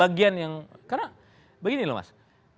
bagian yang karena begini loh mas